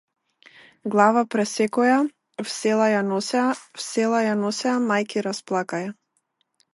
Глава пресекоја в села ја носеја, в села ја носеја мајки расплакаја.